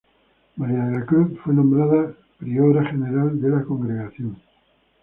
María de la Cruz fue nombrada como priora general de la congregación.